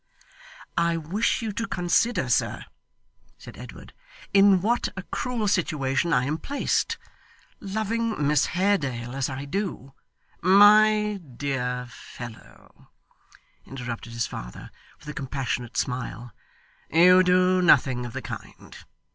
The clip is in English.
'I wish you to consider, sir,' said Edward, 'in what a cruel situation I am placed. Loving Miss Haredale as I do' 'My dear fellow,' interrupted his father with a compassionate smile, 'you do nothing of the kind.